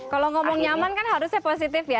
kalau ngomong nyaman kan harusnya positif ya